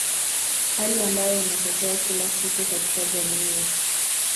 Hali ambayo inatokea kila siku katika jamii yetu.